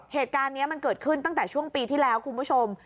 เหตุการณ์นี้มันเกิดขึ้นตั้งแต่ช่วงปีที่แล้วคุณผู้ชม